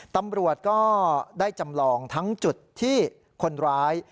ตำรวจก็ได้จำลองทั้งจุดที่คนร้าย